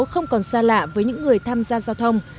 không còn xa lạ với những người tham gia giao thông